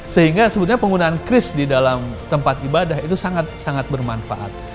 sehingga sebenarnya penggunaan kris di dalam tempat ibadah itu sangat sangat bermanfaat